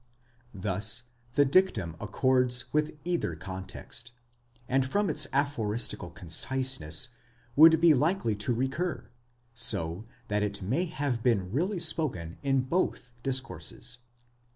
Thus the dictum accords with either context, and from its aphoristical conciseness would be likely to recur, so that it may have been really spoken in both discourses.